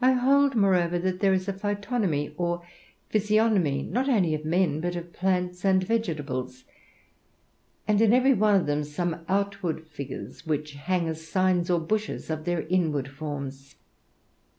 I hold moreover that there is a phytognomy, or physiognomy, not only of men, but of plants and vegetables; and in every one of them some outward figures which hang as signs or bushes of their inward forms.